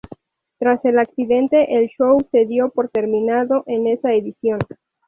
Tras el accidente, el show se dio por terminado en esa edición.